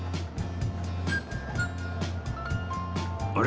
あれ？